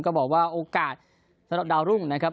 บอกว่าโอกาสสำหรับดาวรุ่งนะครับ